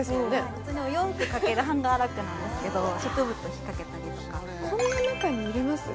普通にお洋服かけるハンガーラックなんですけど植物を引っかけたりとかこんな中に入れます？